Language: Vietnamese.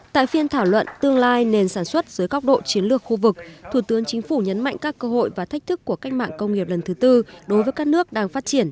tại phiên thảo luận tương lai nền sản xuất dưới góc độ chiến lược khu vực thủ tướng chính phủ nhấn mạnh các cơ hội và thách thức của cách mạng công nghiệp lần thứ tư đối với các nước đang phát triển